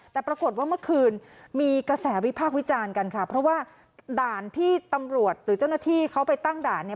แต่ปรากฏว่าเมื่อคืนมีกระแสวิพากษ์วิจารณ์กันค่ะเพราะว่าด่านที่ตำรวจหรือเจ้าหน้าที่เขาไปตั้งด่าน